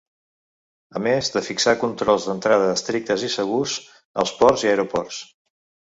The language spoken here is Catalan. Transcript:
A més de “fixar controls d’entrada estrictes i segurs” als ports i aeroports.